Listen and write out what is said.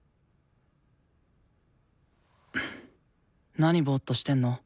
なにぼっとしてんの？